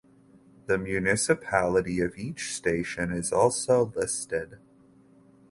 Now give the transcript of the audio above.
The municipality of each station is also listed.